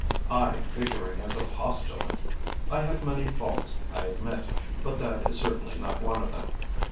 I figuring as a postulant! I have many faults, I admit, but that is certainly not one of them.